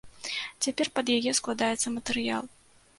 Цяпер пад яе складаецца матэрыял.